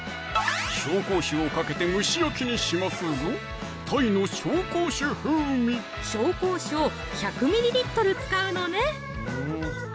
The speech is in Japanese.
紹興酒をかけて蒸し焼きにしますぞ紹興酒を１００ｍｌ使うのね